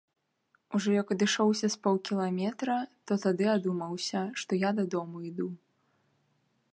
Ужо як адышоўся з паўкіламетра, то тады адумаўся, што я дадому іду.